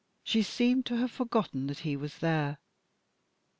She seemed to have forgotten that he was there.